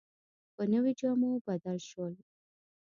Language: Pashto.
په نویو جامو بدل شول.